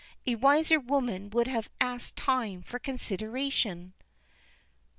A wiser woman would have asked time for consideration."